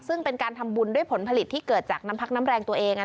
ซึ่งเป็นการทำบุญด้วยผลผลิตที่เกิดจากน้ำพักน้ำแรงตัวเอง